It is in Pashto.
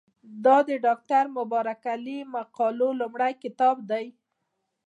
دا د ډاکټر مبارک علي د مقالو لومړی کتاب نه دی.